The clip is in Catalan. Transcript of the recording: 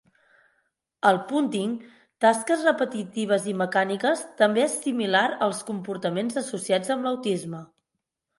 El "punding" (tasques repetitives i mecàniques) també és similar als comportaments associats amb l'autisme.